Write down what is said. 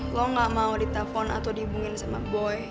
lo gak mau ditelepon atau dihubungin sama boy